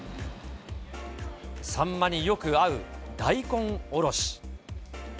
サンマによく合う大根おろし。